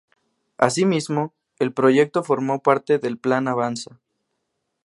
Asímismo, el proyecto formó parte del Plan Avanza.